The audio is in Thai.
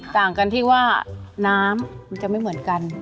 ต่างกันที่ว่าน้ำมันจะไม่เหมือนกัน